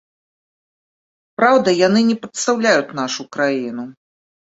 Праўда, яны не прадстаўляюць нашу краіну.